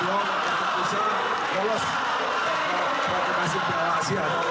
anak anak yang bisa menolos ke piala asia